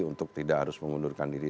untuk tidak harus mengundurkan diri